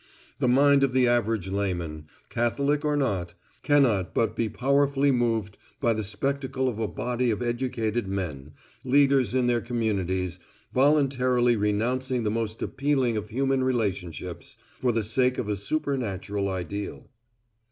The mind of the average laymen, Catholic or not, cannot but be powerfully moved by the spectacle of a body of educated men, leaders in their communities, voluntarily renouncing the most appealing of human relationships for the sake of a supernatural ideal.